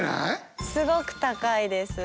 すごく高いです！